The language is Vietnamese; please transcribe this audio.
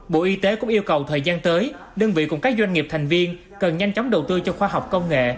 bộ y tế cũng yêu cầu thời gian tới đơn vị cùng các doanh nghiệp thành viên cần nhanh chóng đầu tư cho khoa học công nghệ